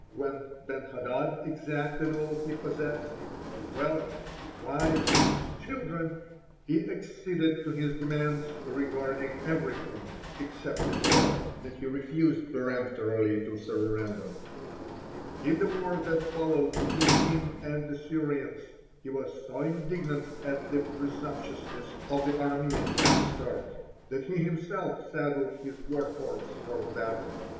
When Ben hadad exacted all he possessed his wealth, his wives, his children he acceded to his demands regarding everything except the Torah; that he refused peremptorily to surrender. (34) In the war that followed between himself and the Syrians, he was so indignant at the presumptuousness of the Aramean upstart that he himself saddled his warhorse for the battle.